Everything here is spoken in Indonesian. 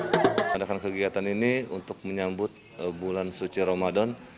mengadakan kegiatan ini untuk menyambut bulan suci ramadan